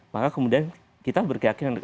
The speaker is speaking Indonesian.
maka kemudian kita berkeyakinan